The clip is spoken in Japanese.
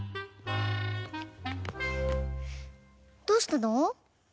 どうしたの？